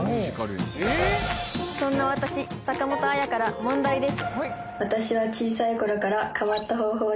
そんな私坂本彩から問題です」